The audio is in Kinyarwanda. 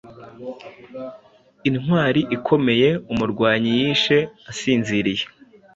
Intwari ikomeye-umurwanyiyishe asinziriye